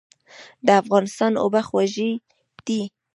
د افغانستان اوبه خوږې دي.